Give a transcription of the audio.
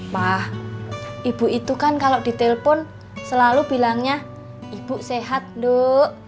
pa ibu itu kan kalau ditelpon selalu bilangnya ibu sehat nuk